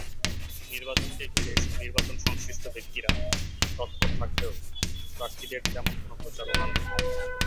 নির্বাচনকে ঘিরে নির্বাচনসংশ্লিষ্ট ব্যক্তিরা তৎপর থাকলেও প্রার্থীদের তেমন কোনো প্রচারণা নেই।